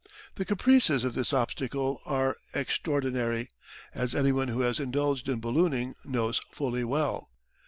The caprices of this obstacle are extraordinary, as anyone who has indulged in ballooning knows fully well.